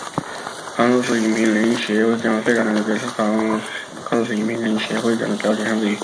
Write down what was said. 堪萨斯影评人协会奖最佳男主角是堪萨斯影评人协会奖的主要奖项之一。